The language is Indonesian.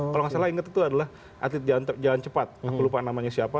kalau nggak salah ingat itu adalah atlet jalan cepat aku lupa namanya siapa